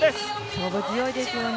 勝負強いですよね